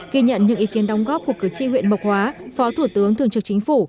ghi nhận những ý kiến đóng góp của cử tri huyện mộc hóa phó thủ tướng thường trực chính phủ